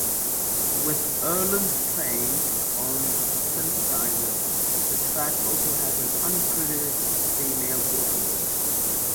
With Earland's playing on synthesizer, the track also has an uncredited female vocalist.